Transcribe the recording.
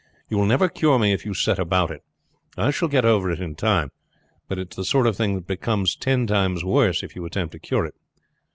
"You will never cure me if you set about it. I shall get over it in time; but it's the sort of thing that becomes ten times worse if you attempt to cure it."